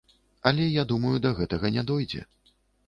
Але я думаю, да гэтага не дойдзе.